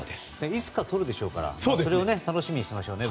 いつかとるでしょうから楽しみにしていましょう。